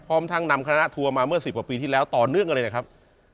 พร้อมทั้งนำคณะทัวร์มาเมื่อ๑๐กว่าปีที่แล้วต่อเนื่องกันเลยนะครับ